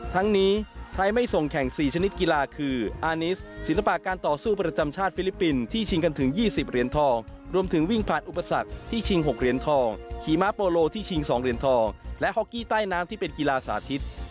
ทั้งนี้ไทยไม่ส่งแข่ง๔ชนิดกีฬาคืออานิสศิลปะการต่อสู้ประจำชาติฟิลิปปินส์ที่ชิงกันถึง๒๐เหรียญทองรวมถึงวิ่งผ่านอุปสรรคที่ชิง๖เหรียญทองขี่ม้าโปโลที่ชิง๒เหรียญทองและฮอกกี้ใต้น้ำที่เป็นกีฬาสาธิต